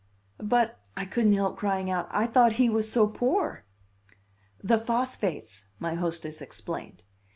"But," I couldn't help crying out, "I thought he was so poor!" "The phosphates," my hostess explained.